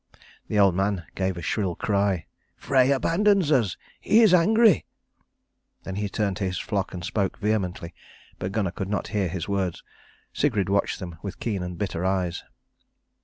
The old man gave a shrill cry. "Frey abandons us! He is angry." Then he turned to his flock and spoke vehemently, but Gunnar could not hear his words. Sigrid watched them with keen and bitter eyes.